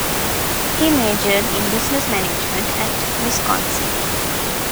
He majored in business management at Wisconsin.